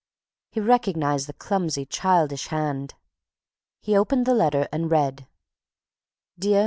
He recognized the clumsy childish hand. He opened the letter and read: DEAR MR.